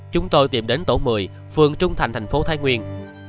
chúng tôi tìm đến tổ một mươi phường trung thành thành phố thái nguyên